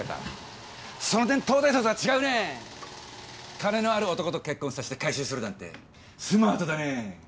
金のある男と結婚さして回収するなんてスマートだね。